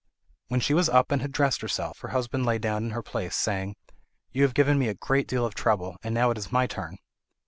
When she was up and had dressed herself, her husband lay down in her place, saying: "You have given me a great deal of trouble, and now it is my turn!"